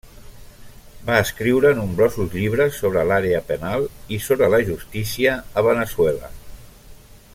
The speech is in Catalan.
Va escriure nombrosos llibres sobre l'àrea penal i sobre la justícia a Veneçuela.